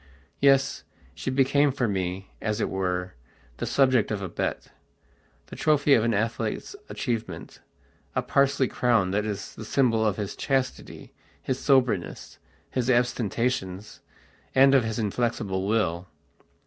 Yes, she became for me, as it were, the subject of a betthe trophy of an athlete's achievement, a parsley crown that is the symbol of his chastity, his soberness, his abstentions, and of his inflexible will.